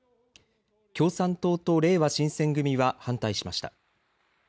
共産党とれいわ新選組は反対しました。